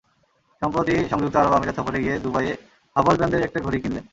সম্প্রতি সংযুক্ত আরব আমিরাত সফরে গিয়ে দুবাইয়ে হাবলট ব্র্যান্ডের একটা ঘড়ি কিনলেন।